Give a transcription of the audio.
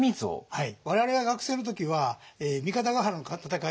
はい。